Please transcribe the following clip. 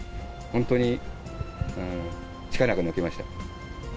本当に力が抜けました。